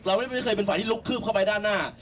เราไม่เคยเป็นฝ่ายที่ลุกคืบเข้าไปด้านหน้า